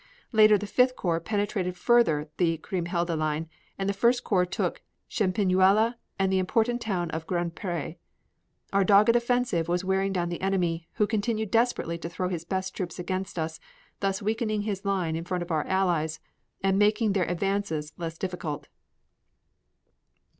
Later the Fifth Corps penetrated further the Kriemhilde line, and the First Corps took Champigneulles and the important town of Grandpre. Our dogged offensive was wearing down the enemy, who continued desperately to throw his best troops against us, thus weakening his line in front of our Allies and making their advance less difficult.